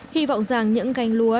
hy vọng rằng những ganh lúa